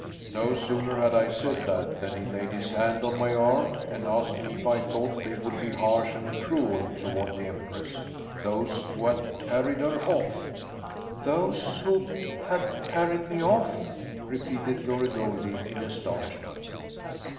No sooner had I said that than he laid his hand on my arm and asked me if I thought they would be harsh and cruel toward the Empress those who had carried her off." "Those who had carried me off!" repeated Glory Goldie in astonishment.